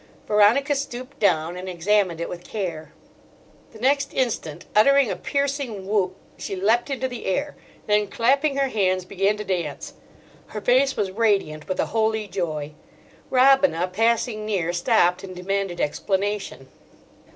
Veronica stooped down and examined it with care. The next instant, uttering a piercing whoop, she leapt into the air; then, clapping her hands, began to dance. Her face was radiant with a holy joy. Robina, passing near, stopped and demanded explanation.